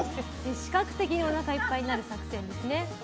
視覚的におなかいっぱいになる作戦ですね。